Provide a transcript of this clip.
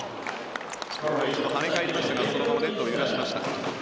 跳ね返りましたがそのままネットを揺らしました。